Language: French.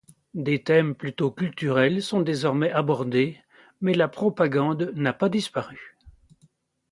Des thèmes plutôt culturels sont désormais abordés, mais la propagande n’a pas disparu.